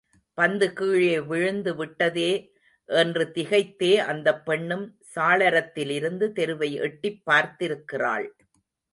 பந்து கீழே விழுந்து விட்டதே என்று திகைத்தே அந்தப் பெண்ணும் சாளரத்திலிருந்து தெருவை எட்டிப் பார்த்திருக்கின்றாள்.